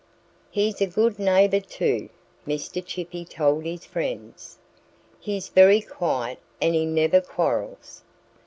"He's a good neighbor, too," Mr. Chippy told his friends. "He's very quiet and he never quarrels.